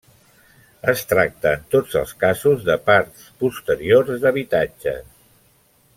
Es tracta en tots els casos de parts posteriors d'habitatges.